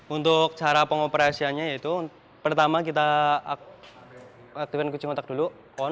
untuk cara pengoperasiannya yaitu pertama kita aktifkan kucing otak dulu